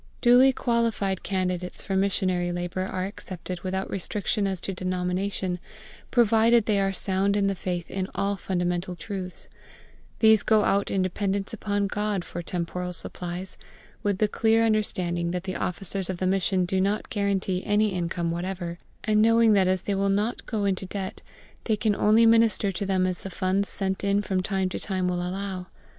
Duly qualified candidates for missionary labour are accepted without restriction as to denomination, provided they are sound in the faith in all fundamental truths: these go out in dependence upon GOD for temporal supplies, with the clear understanding that the officers of the Mission do not guarantee any income whatever; and knowing that as they will not go into debt, they can only minister to them as the funds sent in from time to time will allow.